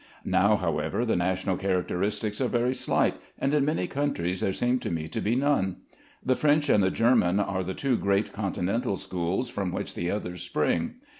Now, however, the national characteristics are very slight, and in many countries there seem to me to be none. The French and the German are the two great Continental schools from which the others spring.